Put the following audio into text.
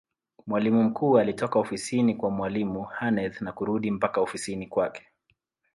Mwalimu mkuu alitoka ofisini kwa mwalimu Aneth na kurudi mpaka ofisini kwake